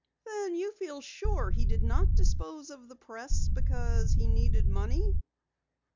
"Then you feel sure he did not dispose of the Press because he needed money?"